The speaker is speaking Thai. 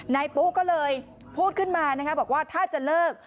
นายปุ๊กก็เลยพูดขึ้นมาบอกว่าถ้าจะเลิก